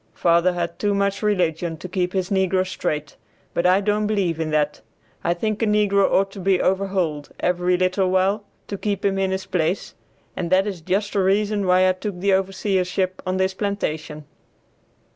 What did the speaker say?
Father had too much religion to keep his negroes straight; but I don't believe in that. I think a negro ought to be overhauled every little while to keep him in his place, and that is just the reason why I took the overseership on this plantation."